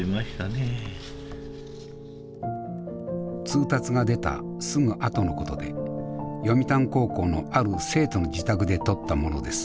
通達が出たすぐあとのことで読谷高校のある生徒の自宅で撮ったものです。